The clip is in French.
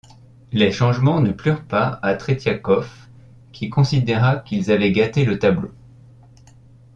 Les changements ne plurent pas à Tretiakov, qui considéra qu'ils avaient gâté le tableau.